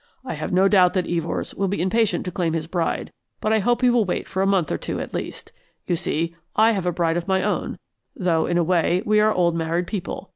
I have no doubt that Evors will be impatient to claim his bride, but I hope he will wait for a month or two at least. You see, I have a bride of my own, though, in a way, we are old married people.